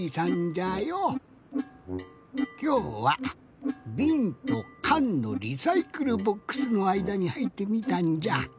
きょうはびんとかんのリサイクルボックスのあいだにはいってみたんじゃ。